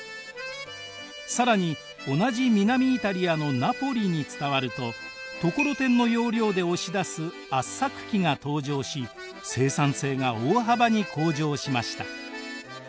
更に同じ南イタリアのナポリに伝わるとところてんの要領で押し出す圧搾機が登場し生産性が大幅に向上しました。